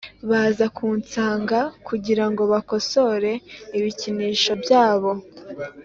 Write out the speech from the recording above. baza kunsanga kugirango bakosore ibikinisho byabo